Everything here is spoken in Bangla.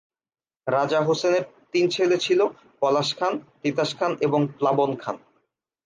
রাজা হোসেনের তিন ছেলে ছিল পলাশ খান, তিতাস খান এবং প্লাবন খান।